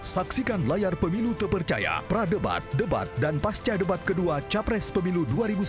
saksikan layar pemilu terpercaya pradebat debat dan pasca debat kedua capres pemilu dua ribu sembilan belas